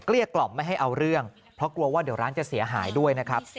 กล่อมไม่ให้เอาเรื่องเพราะกลัวว่าเดี๋ยวร้านจะเสียหายด้วยนะครับ